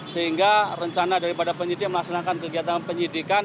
sehingga rencana daripada penyidik melaksanakan kegiatan penyidikan